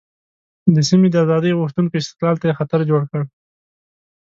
د سیمې د آزادۍ غوښتونکو استقلال ته یې خطر جوړ کړ.